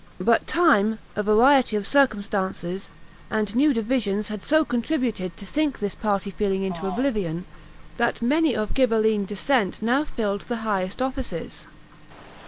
But time, a variety of circumstances, and new divisions had so contributed to sink this party feeling into oblivion, that many of Ghibelline descent now filled the highest offices.